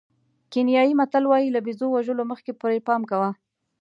کینیايي متل وایي له بېزو وژلو مخکې پرې پام کوه.